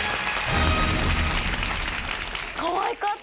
かわいかった！